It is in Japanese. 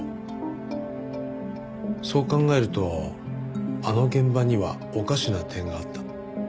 そう考えるとあの現場にはおかしな点があった。